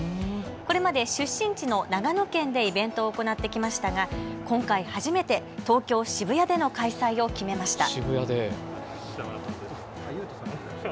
これまで出身地の長野県でイベントを行ってきましたが今回、初めて東京渋谷での開催を決めました。